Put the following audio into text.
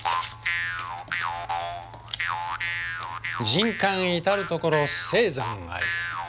人間至る処青山あり。